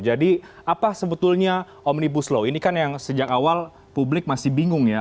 jadi apa sebetulnya omnibus law ini kan yang sejak awal publik masih bingung ya